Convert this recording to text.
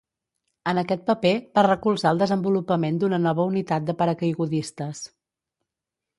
En aquest paper, va recolzar el desenvolupament d'una nova unitat de paracaigudistes.